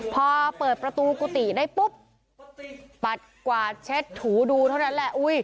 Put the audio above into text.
พอเปิดประตูกุฏิได้ปุ๊บปัดกวาดเช็ดถูดูเท่านั้นแหละ